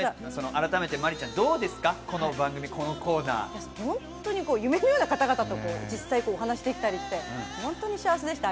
改めて麻里ちゃん、どうです夢のような方々と実際お話できたりして、本当に幸せでした。